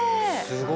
すごい！